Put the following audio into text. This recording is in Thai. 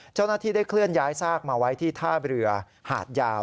เจ้าหน้าที่ได้เคลื่อนย้ายซากมาไว้ที่ท่าเรือหาดยาว